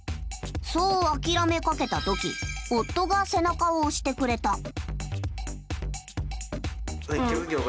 そう諦めかけた時夫が背中を押してくれた。